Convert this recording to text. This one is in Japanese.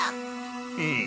うん。